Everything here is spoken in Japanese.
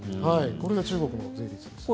これが中国の税率です。